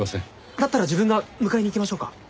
だったら自分が迎えに行きましょうか？